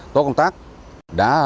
tổ công tác đã